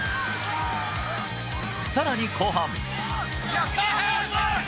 さらに後半。